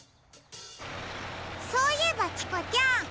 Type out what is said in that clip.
・そういえばチコちゃん。